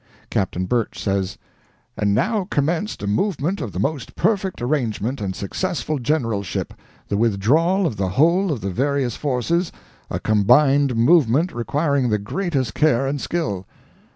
Captain Birch says: "And now commenced a movement of the most perfect arrangement and successful generalship the withdrawal of the whole of the various forces, a combined movement requiring the greatest care and skill.